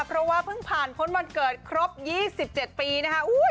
เพราะว่าเพิ่งผ่านพ้นวันเกิดครบ๒๗ปีนะคะ